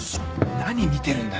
何見てるんだよ？